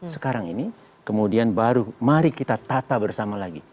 sekarang ini kemudian baru mari kita tata bersama lagi